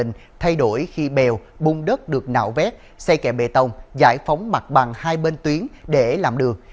trình thay đổi khi bèo bung đất được nạo vét xây kẹp bê tông giải phóng mặt bằng hai bên tuyến để làm đường